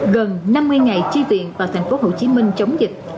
gần năm mươi ngày tri viện vào tp hcm chống dịch